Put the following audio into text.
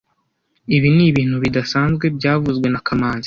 Ibi ni ibintu bidasanzwe byavuzwe na kamanzi